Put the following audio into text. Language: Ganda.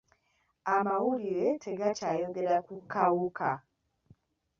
Amawulire tegakyayogera ku kawuka.